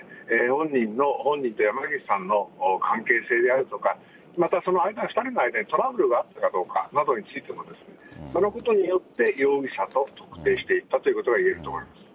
本人の、本人と山岸さんの関係性であるとか、またその２人の間にトラブルがあったかどうかなどについて、そのことによって、容疑者と特定していったということが言えると思います。